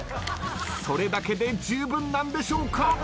それだけで十分なんでしょうか。